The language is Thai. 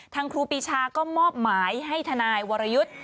ครูปีชาก็มอบหมายให้ทนายวรยุทธ์